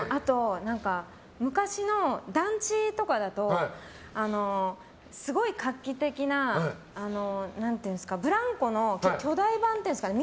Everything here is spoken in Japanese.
昔の団地とかだとすごい画期的なブランコの巨大版っていうんですかね。